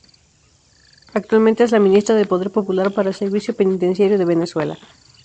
Actualmente es la ministra del Poder Popular para el Servicio Penitenciario de Venezuela.